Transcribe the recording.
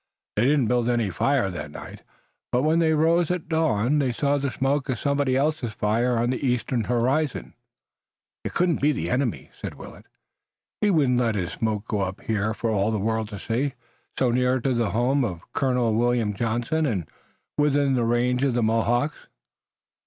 They did not build any fire that night, but when they rose at dawn they saw the smoke of somebody else's fire on the eastern horizon. "It couldn't be the enemy," said Willet. "He wouldn't let his smoke go up here for all the world to see, so near to the home of Colonel William Johnson and within the range of the Mohawks."